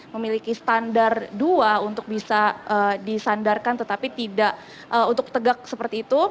memiliki standar dua untuk bisa disandarkan tetapi tidak untuk tegak seperti itu